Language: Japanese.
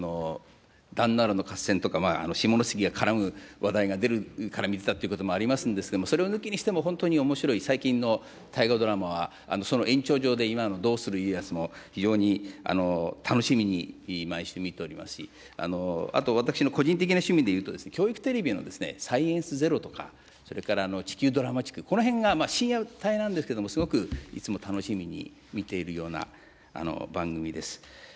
壇ノ浦の合戦とか下関が絡む話題が出るから見てたということもありますんですけれども、それを抜きにしても本当におもしろい、最近の大河ドラマは、その延長上で、今のどうする家康も、非常に楽しみに毎週見ておりますし、あと私の個人的な趣味でいうと、教育テレビのサイエンスＺＥＲＯとか、それから地球ドラマチック、このへんが深夜帯なんですけれども、すごくいつも楽しみに見ているような番組です。